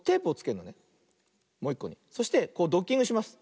そしてこうドッキングします。